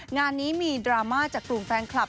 งานนี้มีดราม่าจากกลุ่มแฟนคลับ